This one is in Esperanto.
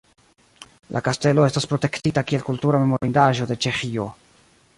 La kastelo estas protektita kiel kultura memorindaĵo de Ĉeĥio.